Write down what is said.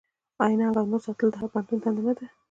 آیا ننګ او ناموس ساتل د هر پښتون دنده نه ده؟